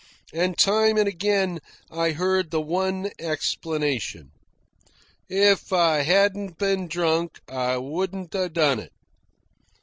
And time and again I heard the one explanation "IF I HADN'T BEEN DRUNK I WOULDN'T A DONE IT."